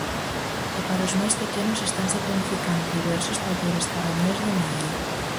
E para os máis pequenos estanse planificando diversos talleres para o mes de maio.